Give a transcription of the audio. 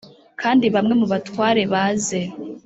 Kandi bamwe mu batware baze